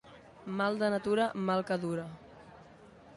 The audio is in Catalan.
Mal de natura, mal que dura.